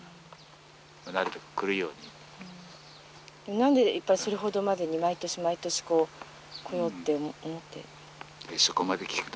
何でそれほどまでに毎年毎年こう来ようって思って。